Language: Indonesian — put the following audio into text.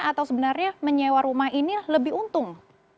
atau sebenarnya menyewa rumah ini lebih untung